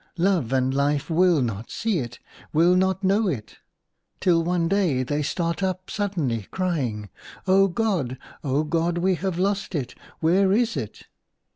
Love and Life will not see it, will not know it — till one day they start up suddenly, crying, ' O God ! O God ! we have lost it ! Where is it